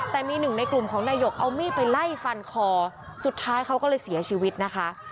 แต่มีหนึ่งในกลุ่มของนายกเอามีดไปไล่ฟันคอสุดท้ายเขาก็เลยเสียชีวิตนะคะ